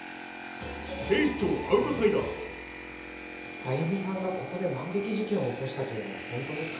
亜由美さんがここで万引き事件を起こしたというのは本当ですか？